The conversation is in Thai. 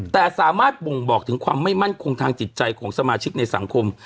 แต่สามารถบ่งบอกถึงความไม่มั่นคงทางจิตใจของสมาชิกในสังคม